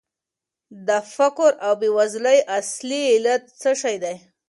د فقر او بېوزلۍ اصلي علت څه شی دی؟